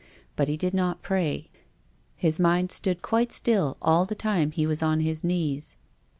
But he did not pray. His mind stood quite still all. the time he was on his knees.